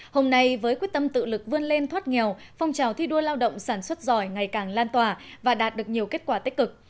hôm nay với quyết tâm tự lực vươn lên thoát nghèo phong trào thi đua lao động sản xuất giỏi ngày càng lan tỏa và đạt được nhiều kết quả tích cực